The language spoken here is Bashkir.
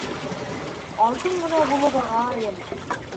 Алтын ғына булып ағайым